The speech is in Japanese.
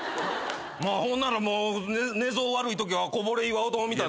ほんならもう寝相悪いときはこぼれ岩尾丼みたい。